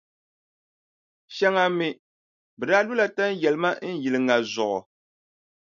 Shɛŋa mi, bɛ daa lola tanʼ yɛlima yili ŋa zuɣu.